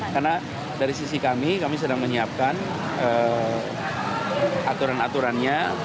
karena dari sisi kami kami sedang menyiapkan aturan aturannya